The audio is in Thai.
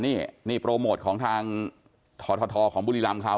นี่โปรโมทของทางถอดถอดถอดของบุรีรำเขา